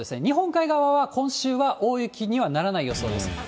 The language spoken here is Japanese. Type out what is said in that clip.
日本海側は今週は大雪にはならない予想です。